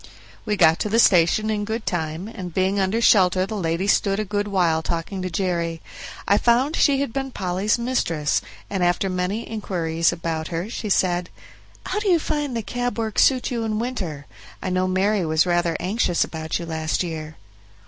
We got to the station in good time, and being under shelter the lady stood a good while talking to Jerry. I found she had been Polly's mistress, and after many inquiries about her she said: "How do you find the cab work suit you in winter? I know Mary was rather anxious about you last year."